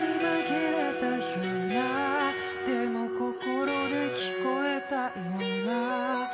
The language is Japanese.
「でも心で聞こえたような」